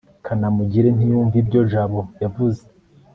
kanamugire ntiyumva ibyo jabo yavuze